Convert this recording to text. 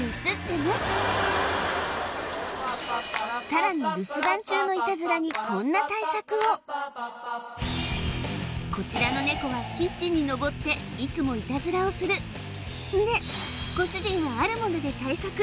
さらに留守番中のイタズラにこんな対策をこちらのネコはキッチンにのぼっていつもイタズラをするんでご主人はあるもので対策